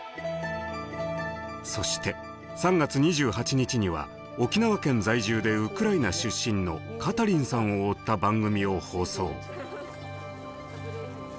そして３月２８日には沖縄県在住でウクライナ出身のカタリンさんを追った番組を放送。